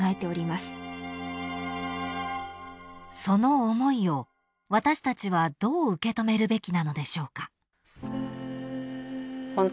［その思いを私たちはどう受け止めるべきなのでしょうか］